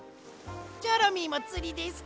チョロミーもつりですか？